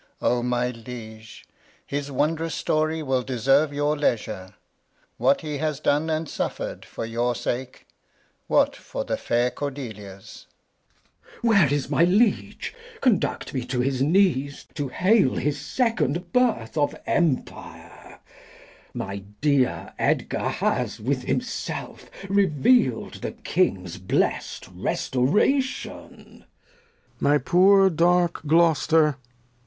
O my Liege ! His wond'rous Story will deserve your Leisure ; What he has done and suffer'd for your Sake, What for the fair Cordelia's. Glost. Where's my Liege ? Conduct me to his Knees, to hail His second Birth of Empire ; my dear Edgar Has, with himself, reveal'd the King's blest Restaura tion Lear. My poor dark Gloster.